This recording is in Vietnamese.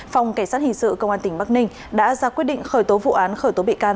phòng cảnh sát hình sự công an tỉnh bắc ninh đã ra quyết định khởi tố vụ án khởi tố bị can